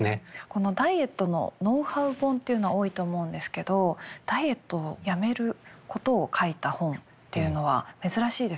このダイエットのノウハウ本っていうのは多いと思うんですけどダイエットをやめることを書いた本っていうのは珍しいですよね。